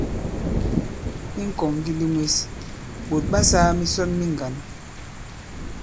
I ŋ̀kɔ̀ŋŋgindi mwes, ɓòt ɓa sāā misɔn mi ŋgǎn.